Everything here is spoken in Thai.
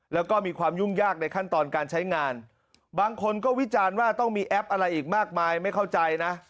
แล้วก็มีความยุ่งยากในขั้นตอนการใช้งานบางคนก็วิจารณ์ว่าต้องมีแอปอะไรอีกมากมายไม่เข้าใจนะ